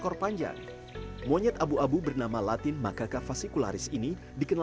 kalau punya beberapa kira kira seperti apa contohnya